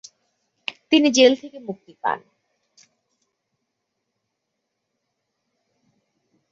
তিনি জেল থেকে মুক্তি পান।